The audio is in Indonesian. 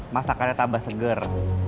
masakannya tambah seger